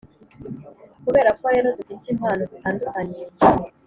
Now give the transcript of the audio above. kubera ko rero dufite impano zitandukanye